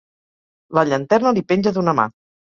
La llanterna li penja d'una mà.